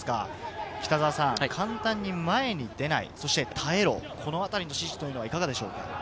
簡単に前に出ない、そして耐えろ、このあたりの指示はいかがですか？